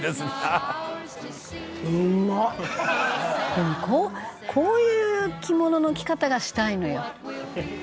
でもこうこういう着物の着方がしたいのよ。